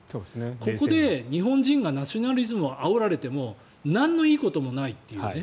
ここで日本人がナショナリズムをあおられてもなんのいいこともないというね。